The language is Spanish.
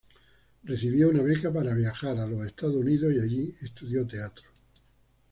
Recibió una beca para viajar a los Estados Unidos y allí estudió teatro.